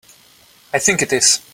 I think it is.